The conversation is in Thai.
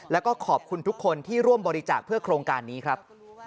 แล้วก็ขอบคุณทุกคนที่ร่วมบริจาคเพื่อโครงการนี้ครับ